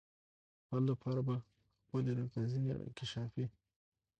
حل لپاره به خپلي رغنيزي او انکشافي